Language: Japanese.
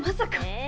え？